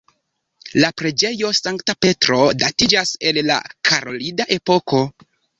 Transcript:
La preĝejo Sankta Petro datiĝas el la karolida epoko.